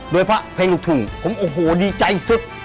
โดยเพราะเพลงลูกทุ่งผมโอ้โหดีใจสุด